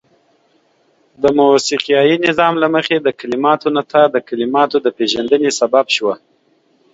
د موسيقايي نظام له مخې د کليماتو نڅاه د کليماتو د پيژندني سبب شوه.